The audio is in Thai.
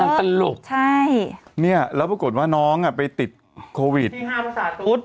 นั่นตลกนี่แล้วปรากฎว่าน้องไปติดโควิดที่ห้าภาษาตุ๊ด